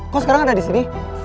kok sekarang ada disini